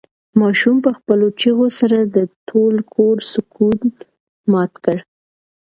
ماشوم په خپلو چیغو سره د ټول کور سکون مات کړ.